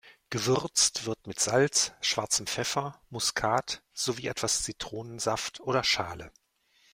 Gewürzt wird mit Salz, schwarzem Pfeffer, Muskat sowie etwas Zitronensaft oder -schale.